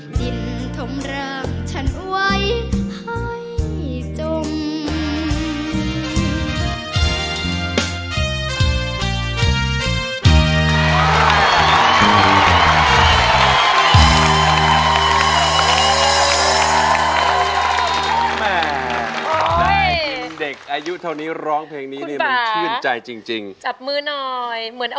ดินถมร่างฉันไว้ให้จม